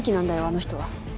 あの人は。